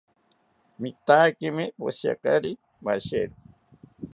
Mitaakimi poshiakari mashero